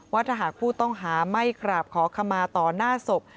ว่าถ้าหากผู้ต้องหาไม่กราบขอขมาต่อหน้าศพ